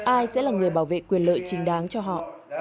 ai sẽ là người bảo vệ quyền lợi chính đáng cho họ